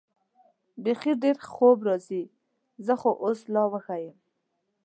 بېخي ډېر خوب راځي، زه خو اوس لا وږی یم.